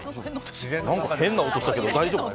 何か変な落としたけど大丈夫？